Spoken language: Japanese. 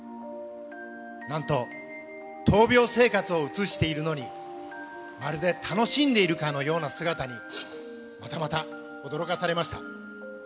なんと闘病生活を映しているのに、まるで楽しんでいるかのような姿に、またまた驚かされました。